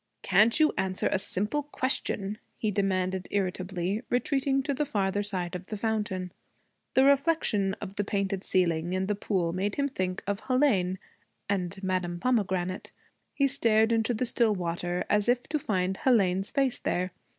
'Can't you answer a simple question?' he demanded irritably, retreating to the farther side of the fountain. The reflection of the painted ceiling in the pool made him think of Hélène and Madame Pomegranate. He stared into the still water as if to find Hélène's face there.